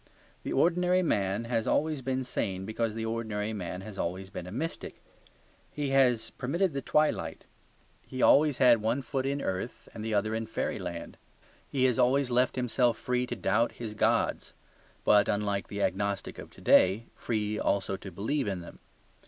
The ordinary man has always been sane because the ordinary man has always been a mystic. He has permitted the twilight. He has always had one foot in earth and the other in fairyland. He has always left himself free to doubt his gods; but (unlike the agnostic of to day) free also to believe in them.